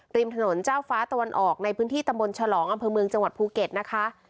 ริมถนนเจ้าฟ้าตะวันออกในพื้นที่ตำบลฉลองอำเภอเมืองจังหวัดภูเก็ตนะคะ